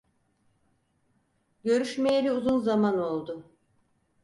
Görüşmeyeli uzun zaman oldu.